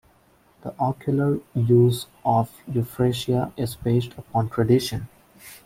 The ocular use of Euphrasia is based upon tradition.